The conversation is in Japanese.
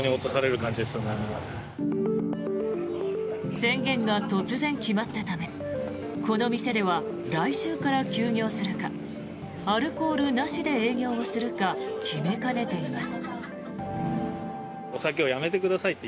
宣言が突然決まったためこの店では来週から休業するかアルコールなしで営業をするか決めかねています。